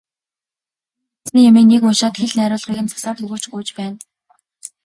Энэ бичсэн юмыг нэг уншаад хэл найруулгыг нь засаад өгөөч, гуйж байна.